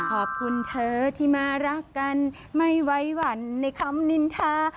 ขอบคุณเธอที่มารักกันไม่ไว้หวั่นในคำนินทา